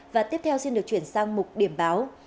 và tiếp theo xin được chuyển sang mục điểm báo